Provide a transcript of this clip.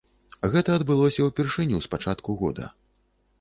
Гэта адбылося ўпершыню з пачатку года.